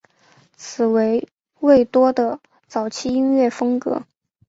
此为魏多的早期音乐风格。